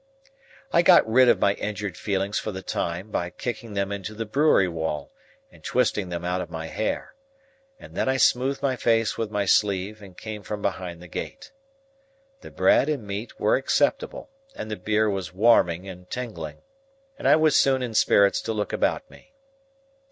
I got rid of my injured feelings for the time by kicking them into the brewery wall, and twisting them out of my hair, and then I smoothed my face with my sleeve, and came from behind the gate. The bread and meat were acceptable, and the beer was warming and tingling, and I was soon in spirits to look about me.